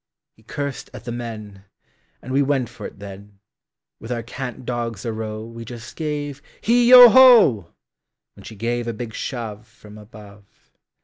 He cursed at the men, And we went for it then; With our cant dogs arow, We just gave he yo ho, When she gave a big shoveFrom above.